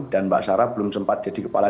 dan mbak sarah belum sempat jadi kepala